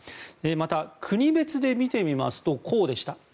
また、国別で見てみますとこうでした。